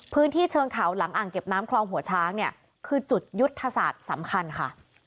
พื้นที่เชิงเขาหลังอ่างเก็บน้ำคลองหัวช้างเนี่ยคือจุดยุทธศาสตร์สำคัญค่ะ